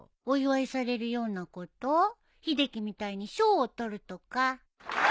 秀樹みたいに賞を取るとか？